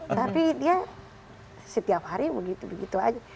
tapi dia setiap hari begitu begitu aja